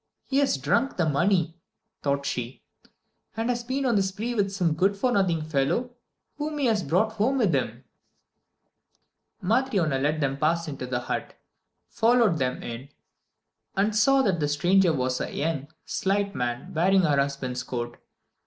"He has drunk the money," thought she, "and has been on the spree with some good for nothing fellow whom he has brought home with him." Matryona let them pass into the hut, followed them in, and saw that the stranger was a young, slight man, wearing her husband's coat.